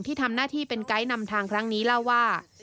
ที่ทำหน้าที่เป็นไกด์นำทางครั้งนี้เล่าว่า